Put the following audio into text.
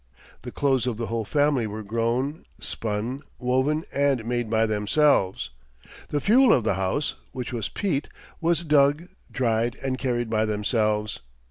The clothes of the whole family were grown, spun, woven, and made by themselves. The fuel of the house, which was peat, was dug, dried, and carried by themselves.